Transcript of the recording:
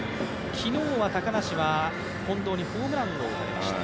昨日は高梨は近藤にホームランを打たれました。